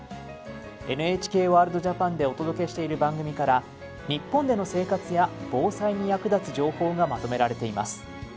ＮＨＫワールドＪＡＰＡＮでお届けしている番組から日本での生活や防災に役立つ情報がまとめられています。